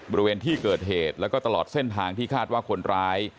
บริเวณที่เกิดเหตุแล้วก็ตลอดเส้นทางที่คาดว่าคนร้าย